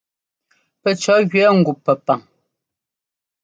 Pɛcʉ̈ jʉɛ ŋgup Pɛpaŋ.